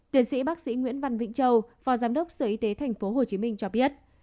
tiến sĩ bác sĩ nguyễn văn vĩnh châu phó giám đốc sở y tế tp hcm cho biết